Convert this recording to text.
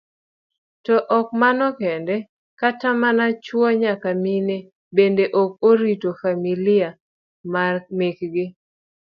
To ok mano kende, kata mana chuo nyaka mine bende ok orito familia mekgi.